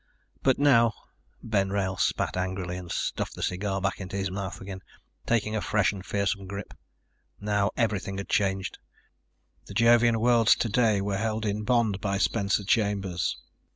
But now ... Ben Wrail spat angrily and stuffed the cigar back in his mouth again, taking a fresh and fearsome grip. Now everything had changed. The Jovian worlds today were held in bond by Spencer Chambers.